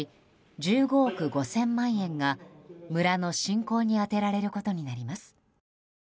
１５億５０００万円が村の振興に充てられることになります。